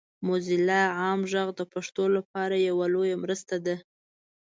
موزیلا عام غږ د پښتو لپاره یوه لویه مرسته ده.